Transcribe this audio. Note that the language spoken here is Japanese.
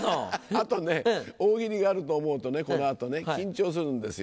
あとね大喜利があると思うとこの後ね緊張するんですよ。